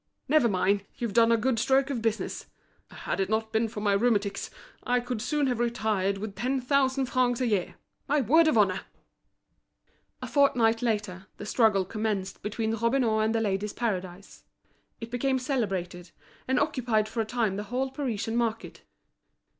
Never mind, you've done a good stroke of business. Had it not been for my rheumatics, I could soon have retired with ten thousand francs a year. My word of honour!" A fortnight later, the struggle commenced between Robineau and The Ladies' Paradise. It became celebrated, and occupied for a time the whole Parisian market.